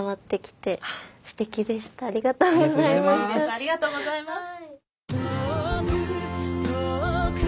ありがとうございます。